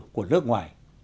của nước ngoài